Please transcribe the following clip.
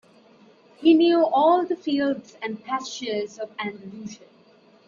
He knew all the fields and pastures of Andalusia.